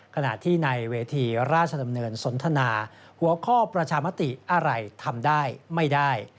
ขณะที่ในเวทีราชดำเนินสนทนาหัวข้อประชามติอะไรทำได้ไม่ได้